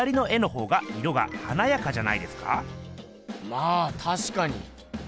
まあたしかに。